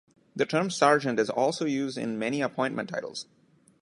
The term "sergeant" is also used in many appointment titles.